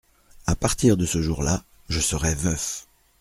A partir de ce jour-là, je serai veuf.